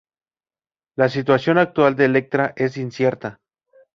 La situación actual de Elektra es incierta.